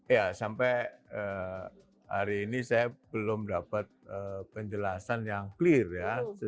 ya sampai hari ini saya belum dapat penjelasan yang clear ya